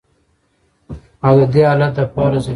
او د دې حالت د پاره ضروري ده